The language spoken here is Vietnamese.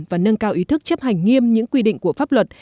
và nâng cao ý thức chấp hành nghiêm những quy định của pháp luật